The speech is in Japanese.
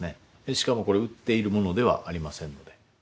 しかもこれ売っているものではありませんので。